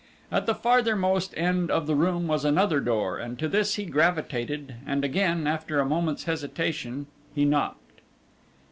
At the farthermost end of the room was another door, and to this he gravitated and again, after a moment's hesitation, he knocked.